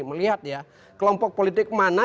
melihat kelompok politik mana